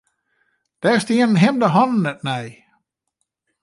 Dêr stienen him de hannen net nei.